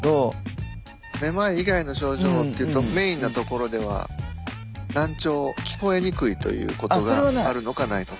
めまい以外の症状っていうとメインなところでは難聴聞こえにくいということがあるのかないのか。